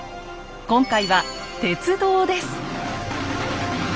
今回は「鉄道」です。